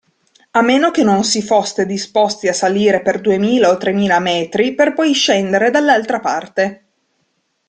A meno che non si foste disposti a salire per duemila o tremila metri per poi scendere dall'altra parte.